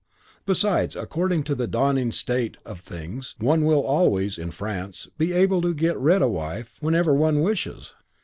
Besides, according to the dawning state of things, one will always, in France, be able to get rid of a wife whenever one wishes.